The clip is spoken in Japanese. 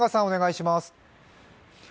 お願いします。